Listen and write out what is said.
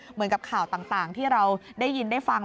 เหมือนกับข่าวต่างที่เราได้ยินได้ฟัง